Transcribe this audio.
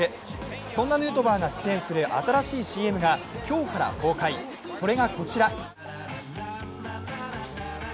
そんなヌートバーが出演する新しいＣＭが今日から公開、それがこちら。